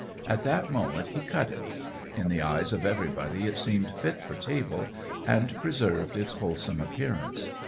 At that moment he cut it. In the eyes of everybody it seemed fit for table, and preserved its wholesome appearance.